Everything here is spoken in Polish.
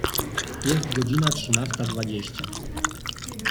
Jest godzina trzynasta dwadzieścia.